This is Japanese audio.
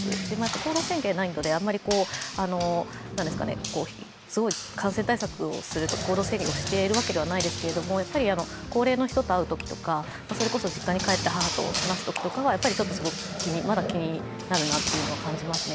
行動制限がないので、感染対策をしているわけじゃないのでやっぱり、高齢の人と会うときとか実家に帰って母と話すときとかは、まだ気になるなというのは感じますね。